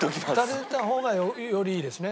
立てられた方がよりいいですね。